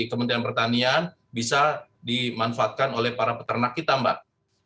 kementerian pertanian bisa dimanfaatkan oleh para peternak kita mbak